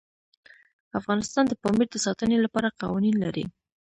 افغانستان د پامیر د ساتنې لپاره قوانین لري.